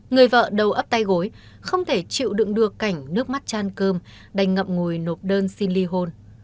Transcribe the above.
người vợ đầu ấp tay gối không thể chịu đựng được cảnh nước mắt chăn cơm đành ngậm ngùi nộp đơn xin ly hôn